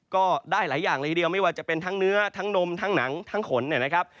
ก็ได้หลายอย่างเลยทีเดียวไม่ว่าจะเป็นทั้งเนื้อทั้งนมทั้งหนังทั้งขนเนี่ยนะครับ